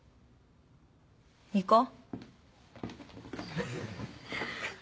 行こう。